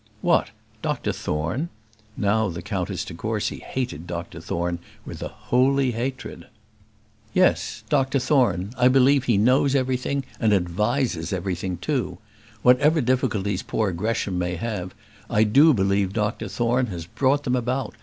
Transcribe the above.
"What, Dr Thorne?" Now the Countess de Courcy hated Dr Thorne with a holy hatred. "Yes; Dr Thorne. I believe that he knows everything; and advises everything, too. Whatever difficulties poor Gresham may have, I do believe Dr Thorne has brought them about.